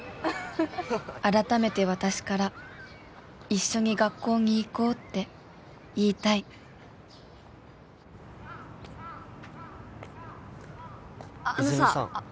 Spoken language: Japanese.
改めて私から一緒に学校に行こうって言いたいあのさ泉さん